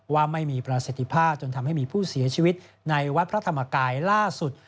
ว่าไม่มีประสิทธิภาพจนทำให้มีผู้เสียชีวิตในวัดพระธรรมกายล่าสุด